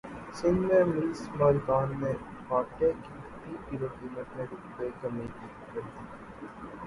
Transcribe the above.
سندھ میں ملز مالکان نے اٹے کی فی کلو قیمت میں روپے کی کمی کردی